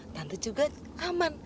tante juga aman